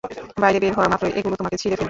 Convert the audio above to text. বাইরে বের হওয়া মাত্র ওগুলো তোমাকে ছিড়ে ফেলবে!